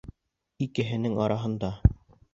Икеһенең араһында.